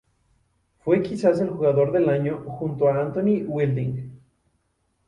Fue quizás el jugador del año junto a Anthony Wilding.